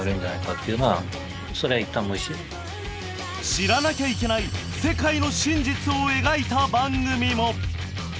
知らなきゃいけない世界の真実を描いた番組も！